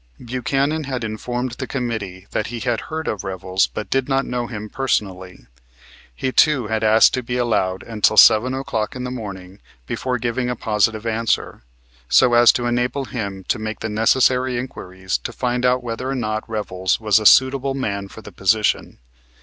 Buchanan had informed the committee that he had heard of Revels but did not know him personally. He too had asked to be allowed until 7 o'clock in the morning before giving a positive answer, so as to enable him to make the necessary inquiries to find out whether or not Revels was a suitable man for the position.